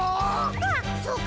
あっそうか！